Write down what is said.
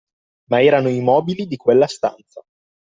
Ma erano i mobili di quella stanza